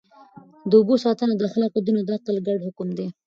د اوبو ساتنه د اخلاقو، دین او عقل ګډ حکم دی.